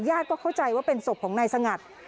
ญาติก็เข้าใจว่าเป็นศพของนายสงัตริย์